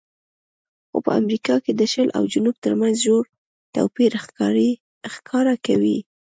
خو په امریکا کې د شل او جنوب ترمنځ ژور توپیر ښکاره کوي.